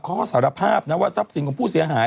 เขาก็สารภาพนะว่าทรัพย์สินของผู้เสียหาย